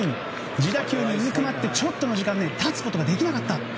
自打球でうずくまってちょっとの時間立つことができなかった。